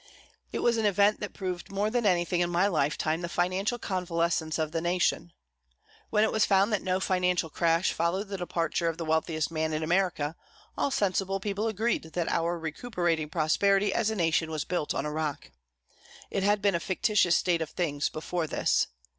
It was an event that proved more than anything in my lifetime the financial convalescence of the nation. When it was found that no financial crash followed the departure of the wealthiest man in America, all sensible people agreed that our recuperating prosperity as a nation was built on a rock. It had been a fictitious state of things before this.